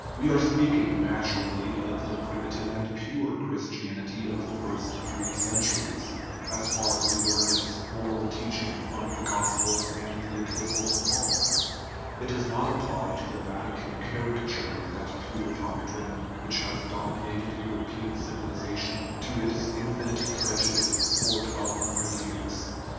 We are speaking, naturally, of the primitive and pure Christianity of the first three centuries, as far as we learn its moral teach ing from the gospels and the epistles of Paul; it does not apply to the Vatican caricature of that pure doc trine which has dominated European civilization, to its infinite prejudice, for twelve hundred years.